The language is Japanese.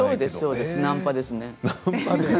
ナンパですね。